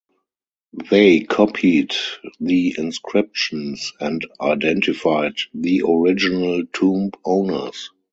They copied the inscriptions and identified the original tomb owners.